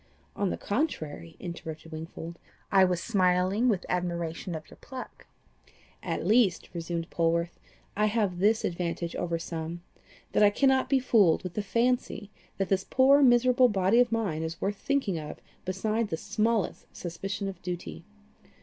"On the contrary," interrupted Wingfold, "I was smiling with admiration of your pluck." "At least," resumed Polwarth, "I have this advantage over some, that I cannot be fooled with the fancy that this poor miserable body of mine is worth thinking of beside the smallest suspicion of duty.